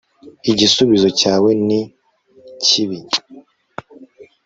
igisubizo cyawe ni kibi